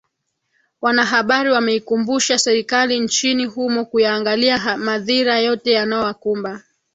wanahabari wameikumbusha serikali nchini humo kuyaangalia madhira yote yanayowakumba